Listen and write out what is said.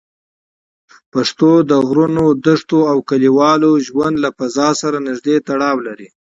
پښتو د غرونو، دښتو او کلیوالي ژوند له فضا سره نږدې تړاو لري.